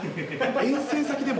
遠征先でも？